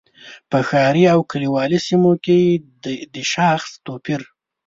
په ښاري او کلیوالي سیمو کې د شاخص توپیر.